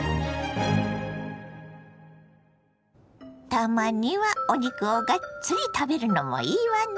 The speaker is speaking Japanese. たまにはお肉をがっつり食べるのもいいわね。